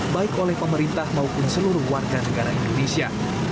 baik oleh pemerintah maupun seluruh warga negara indonesia